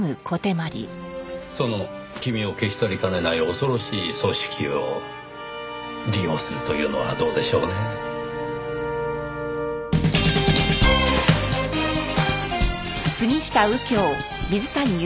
その君を消し去りかねない恐ろしい組織を利用するというのはどうでしょうねぇ？